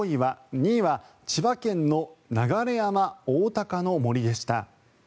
２位は千葉県の流山おおたかの森でした。